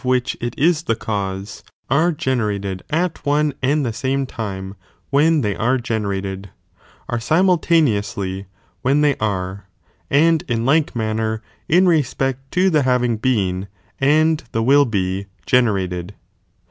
'* which it is the cause, are generated at one i — jn Inquiry the samc time, when they are generated j are thta^Sm'<° rauUaneously when they are ; and in like m rauitaneout. ner, in respect to the haying been, and the will be, generated.